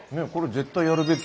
絶対やるべき。